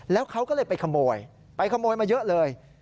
แล้วเขาก็เลยไปขโมยไปขโมยมาเยอะเลย